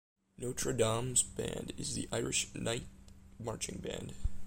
Notre Dame's band is the Irish Knight Marching Band.